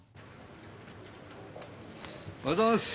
おはようございます。